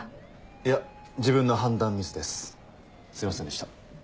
いや自分の判断ミスですすいませんでした。